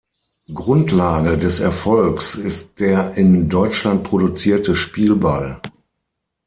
Grundlage des Erfolgs ist der in Deutschland produzierte Spielball.